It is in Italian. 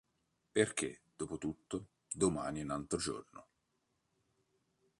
Perché, dopotutto, "Domani è un altro giorno".